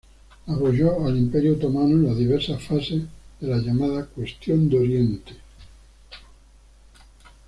Apoyó al Imperio otomano en las diversas fases de la llamada cuestión de Oriente.